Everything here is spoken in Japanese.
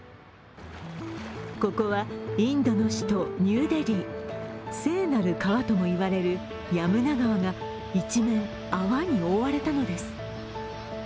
ここはインドの首都ニューデリー聖なる川ともいわれるヤムナ川が一面泡に覆われたのです。